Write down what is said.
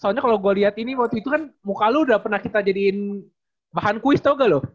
soalnya kalau gue lihat ini waktu itu kan muka lu udah pernah kita jadiin bahan kuis toga loh